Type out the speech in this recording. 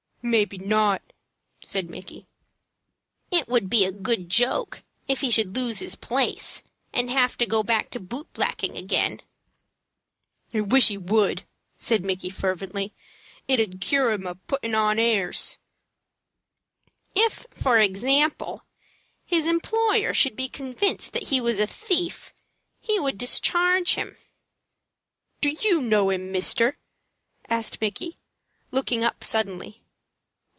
"Maybe not," said Mickey. "It would be a good joke if he should lose his place and have to go back to boot blacking again." "I wish he would," said Micky, fervently. "It 'ould cure him of puttin' on airs." "If, for example, his employer should be convinced that he was a thief, he would discharge him." "Do you know him, mister?" asked Micky, looking up suddenly.